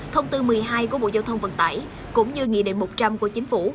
thông tư một mươi hai của bộ giao thông vận tải cũng như nghị định một trăm linh của chính phủ